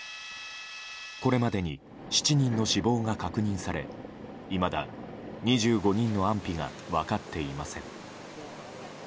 これまでに７人の死亡が確認されいまだ２５人の安否が分かっていません。